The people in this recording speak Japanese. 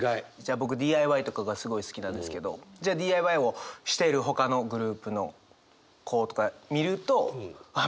僕ＤＩＹとかがすごい好きなんですけどじゃあＤＩＹをしているほかのグループの子とか見るとあっ